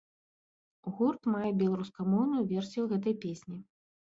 Гурт мае беларускамоўную версію гэтай песні.